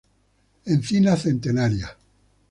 Encinas centenarias.